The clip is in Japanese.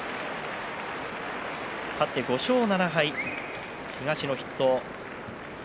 勝って５勝７敗、東の筆頭